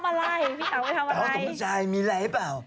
เขาแรกเลยนะครับพี่เต๋าไม่ทำอะไรพี่เต๋าสมชายมีอะไรหรือเปล่า